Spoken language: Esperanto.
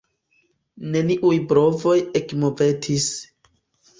Neniuj brovoj ekmovetis.